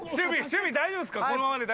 守備大丈夫ですか？